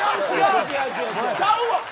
ちゃうわ。